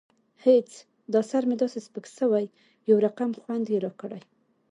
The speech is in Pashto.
هېڅ دا سر مې داسې سپک سوى يو رقم خوند يې راکړى.